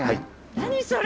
何それ？